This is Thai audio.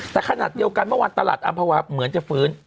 แต่ขนาดเดียวกันเมื่อวานตลาดอำภาวาเหมือนจะฟื้น